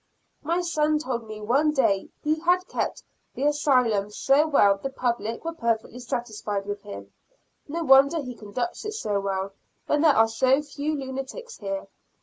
My son told me one day he had kept the Asylum so well the public were perfectly satisfied with him; no wonder he conducts it so well when there are so few lunatics here.